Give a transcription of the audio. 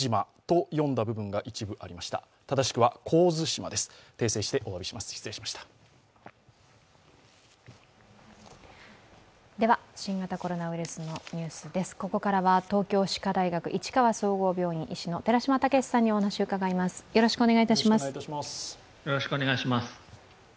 ここからは東京歯科大学市川総合病院の寺嶋毅さんにお話を伺います。